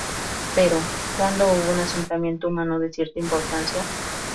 Pero, ¿cuándo hubo un asentamiento humano de cierta importancia?